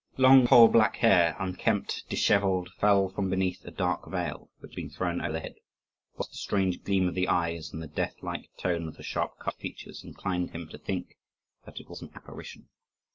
Long coal black hair, unkempt, dishevelled, fell from beneath a dark veil which had been thrown over the head; whilst the strange gleam of the eyes, and the death like tone of the sharp cut features, inclined him to think that it was an apparition.